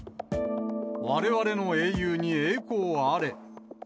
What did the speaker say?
われわれの英雄に栄光あれ。